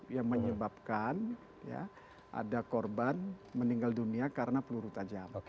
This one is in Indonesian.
yang menyebabkan ada korban meninggal dunia karena peluru tajam